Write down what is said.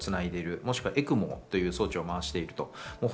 もしくはＥＣＭＯという装置をまわしていく。